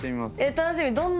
楽しみ。